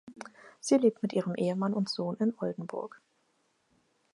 Sie lebt mit ihrem Ehemann und Sohn in Oldenburg (Oldb).